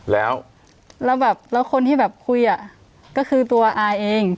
แล้วแบบแล้วคนที่แบบคุยอ่ะก็คือตัวอาเอง